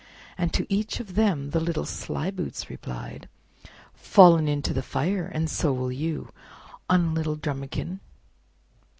And to each of them the little slyboots replied: "Fallen into the fire, and so will you On little Drumikin.